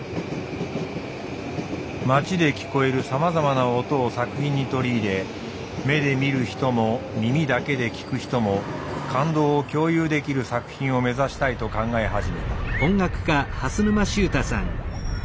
街で聞こえるさまざまな音を作品に取り入れ目で見る人も耳だけで聞く人も感動を共有できる作品を目指したいと考え始めた。